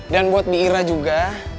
dan buat biira juga